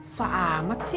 usah amat sih